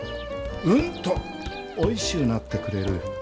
うんとおいしゅうなってくれる。